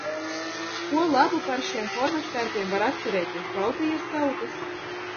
Ko labu par šiem formas tērpiem var atcerēties Baltijas tautas?